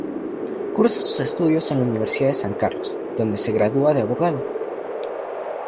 Cursa sus estudios en la Universidad de San Carlos, donde se gradúa de abogado.